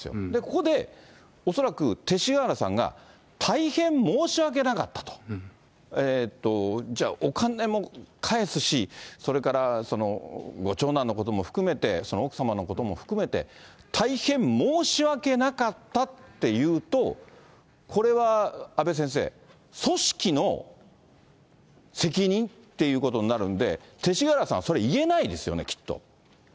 ここで恐らく勅使河原さんが大変申し訳なかったと、じゃあ、お金も返すし、それからご長男のことも含めて、奥様のことも含めて、大変申し訳なかったって言うと、これは阿部先生、組織の責任っていうことになるんで、勅使河原さんは、それ、言えないですよね、きっと。